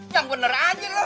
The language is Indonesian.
yang bener aja lo nih